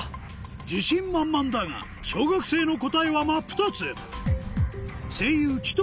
自信満々だが小学生の答えは真っ二つ声優鬼頭